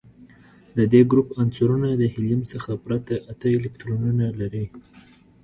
د دې ګروپ عنصرونه د هیلیم څخه پرته اته الکترونونه لري.